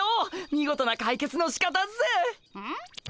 見事な解決のしかたっす。